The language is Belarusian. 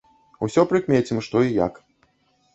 Усё прыкмецім, што і як.